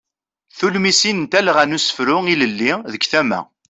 Tulmisin n talɣa n usefru ilelli deg tama.